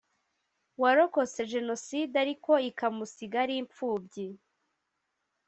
warokotse Jenoside ariko ikamusiga ari impfubyi